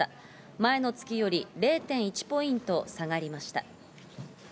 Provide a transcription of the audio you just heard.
前の月より０．１ポイント下がりました。